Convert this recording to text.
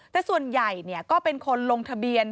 แต่ส่วนใหญ่ก็เป็นคนลงทะเบียน